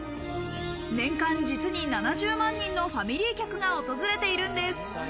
年間、実に７０万人のファミリー客が訪れているんです。